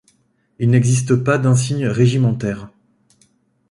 Il n'existe pas d'insigne régimentaire.